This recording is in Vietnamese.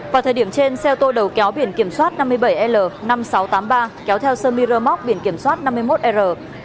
vào thời điểm trên xe ô tô đầu kéo biển kiểm soát năm mươi bảy l năm nghìn sáu trăm tám mươi ba kéo theo sơ miramock biển kiểm soát năm mươi một r một mươi ba nghìn hai trăm ba mươi một